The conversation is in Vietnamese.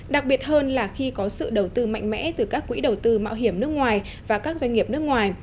đặc biệt hơn là khi có sự đầu tư mạnh mẽ từ các quỹ đầu tư mạo hiểm nước ngoài và các doanh nghiệp nước ngoài